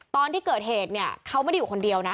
ตอนที่เกิดเหตุเนี่ยเขาไม่ได้อยู่คนเดียวนะ